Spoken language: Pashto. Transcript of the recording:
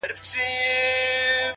جـنــگ له فريادي ســــره.